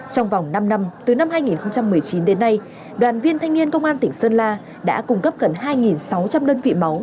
trong vòng năm năm từ năm hai nghìn một mươi chín đến nay đoàn viên thanh niên công an tỉnh sơn la đã cung cấp gần hai sáu trăm linh đơn vị máu